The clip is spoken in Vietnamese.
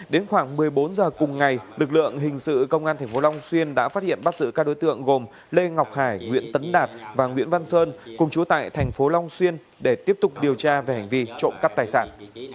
đến khoảng một mươi bốn h cùng ngày lực lượng hình sự công an tp long xuyên đã phát hiện bắt giữ các đối tượng gồm lê ngọc hải nguyễn tấn đạt và nguyễn văn sơn cùng chú tại thành phố long xuyên để tiếp tục điều tra về hành vi trộm cắp tài sản